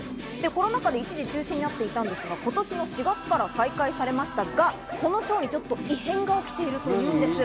コロナ禍で一時中止になっていたんですが、今年４月から再開されましたが、このショーに異変が起きているというんです。